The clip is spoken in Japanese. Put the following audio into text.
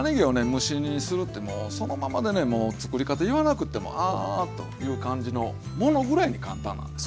蒸し煮にするってもうそのままでねもうつくり方言わなくてもああという感じのものぐらいに簡単なんです。